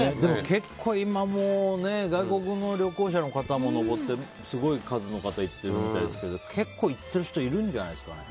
結構、今、外国の旅行者の方も登って、すごい数の方行ってるみたいですけど結構、行ってる人いるんじゃないですかね。